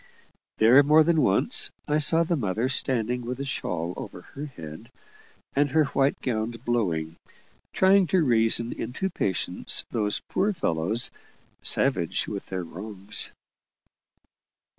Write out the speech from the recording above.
There, more than once, I saw the mother standing, with a shawl over her head, and her white gown blowing, trying to reason into patience those poor fellows, savage with their wrongs.